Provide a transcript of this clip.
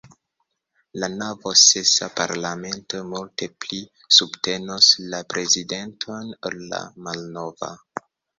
La nova, sesa, parlamento multe pli subtenos la prezidenton ol la malnova.